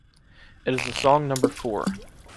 It is the song number four.